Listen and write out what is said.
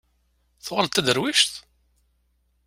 Tuɣaleḍ d taderwict?